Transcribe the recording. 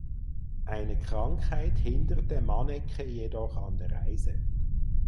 Eine Krankheit hinderte Manecke jedoch an der Reise.